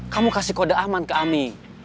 kamu kasih kode aman ke kami